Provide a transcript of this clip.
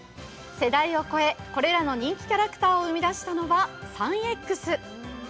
世代を超え、これらの人気キャラクターを生み出したのはサンエックス。